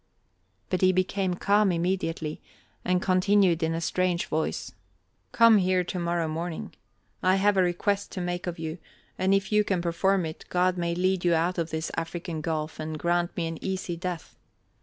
But he became calm immediately, and continued in a strange voice: "Come here to morrow morning I have a request to make of you, and if you can perform it, God may lead you out of this African gulf, and grant me an easy death.